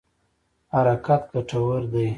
حرکت ګټور دی.